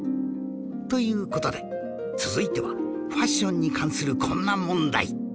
という事で続いてはファッションに関するこんな問題